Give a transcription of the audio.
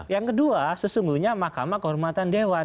yang kedua sesungguhnya mahkamah kehormatan dewan